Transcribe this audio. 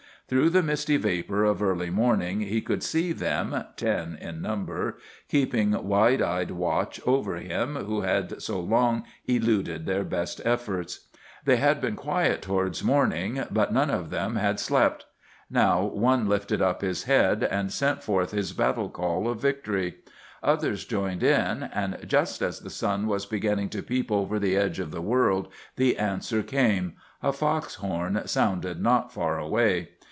Through the misty vapor of early morning he could see them, ten in number, keeping wide eyed watch over him who had so long eluded their best efforts. They had been quiet towards morning, but none of them had slept. Now one lifted up his head, and sent forth his battle call of victory. Others joined in, and just as the sun was beginning to peep over the edge of the world the answer came—a fox horn sounded not far away.